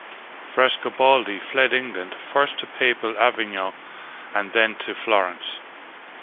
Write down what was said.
Frescobaldi fled England, first to Papal Avignon and then to Florence.